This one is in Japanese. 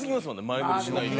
前乗りしないと。